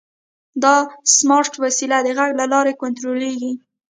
دا سمارټ وسیله د غږ له لارې کنټرولېږي.